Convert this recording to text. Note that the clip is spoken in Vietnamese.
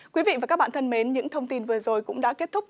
quý vị và các bạn thân mến những thông tin vừa rồi cũng đã kết thúc